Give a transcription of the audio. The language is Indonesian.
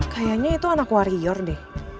kayaknya itu anak warrior deh